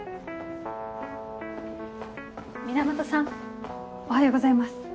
源さんおはようございます。